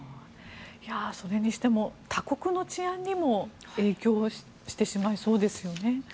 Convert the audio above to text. それにしても他国の治安にも影響してしまいそうですよね。